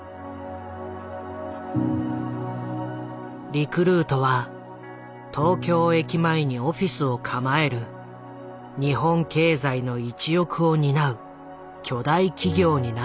リクルートは東京駅前にオフィスを構える日本経済の一翼を担う巨大企業になった。